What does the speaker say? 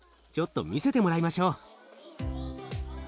ちょっと見せてもらいましょう。